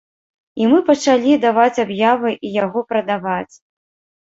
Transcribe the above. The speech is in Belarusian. І мы пачалі даваць аб'явы і яго прадаваць.